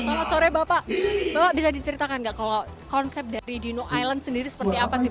selamat sore bapak bapak bisa diceritakan nggak kalau konsep dari dino island sendiri seperti apa sih